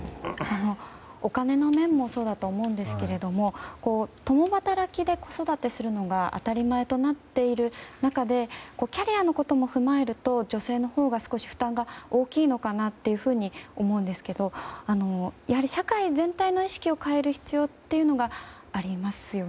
お金の面もそうだと思うんですけれども、共働きで子育てするのが当たり前となっている中でキャリアのことも踏まえると女性のほうが少し負担が大きいのかなと思うんですけど、社会全体の意識を変える必要というのがありますよね。